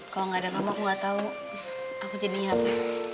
kalau gak ada kamu aku gak tau aku jadinya apa